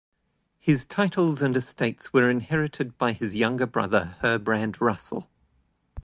His titles and estates were inherited by his younger brother Herbrand Russell.